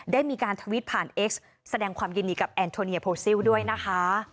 ได้มีการทวิตผ่านเอ็กซ์แสดงความยินดีกับแอนโทเนียโพซิลด้วยนะคะ